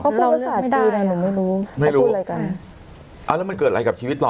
ไม่ดีอะไรหนูไม่รู้ไม่รู้อะไรกันอ่าแล้วมันเกิดอะไรกับชีวิตต่อ